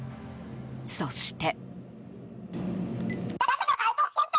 そして。